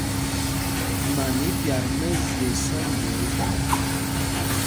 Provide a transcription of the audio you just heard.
Man í pyat mɛ́zye sɔ́nja ê.